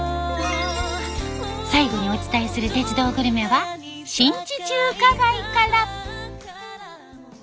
最後にお伝えする「鉄道グルメ」は新地中華街から！